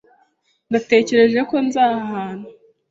Natekereje ko nzi aha hantu.